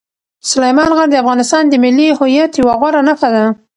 سلیمان غر د افغانستان د ملي هویت یوه غوره نښه ده.